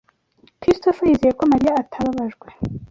Christopher yizeye ko Mariya atababajwe.